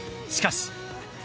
しかし。